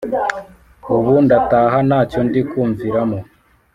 Ubu ndataha ntacyo ndi kumviramo